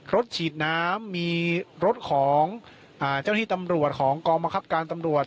รถฉีดน้ำมีรถของเจ้าหน้าที่ตำรวจของกองบังคับการตำรวจ